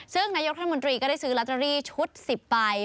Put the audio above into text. ซึ่งนายกรัฐมนตรีก็ได้ซื้อลอตเตอรี่ชุด๑๐ใบ